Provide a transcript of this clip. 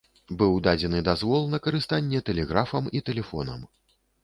Быў дадзены дазвол на карыстанне тэлеграфам і тэлефонам.